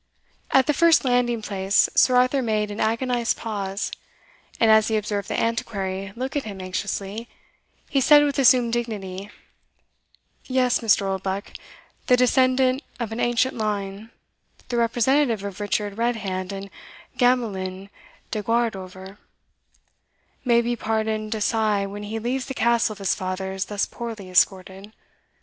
At the first landing place, Sir Arthur made an agonized pause; and as he observed the Antiquary look at him anxiously, he said with assumed dignity "Yes, Mr. Oldbuck, the descendant of an ancient line the representative of Richard Redhand and Gamelyn de Guardover, may be pardoned a sigh when he leaves the castle of his fathers thus poorly escorted.